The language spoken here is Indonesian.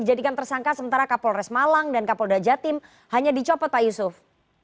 dijadikan tersangka sementara kapolres malang dan kapolda jatim hanya dicopot pak yusuf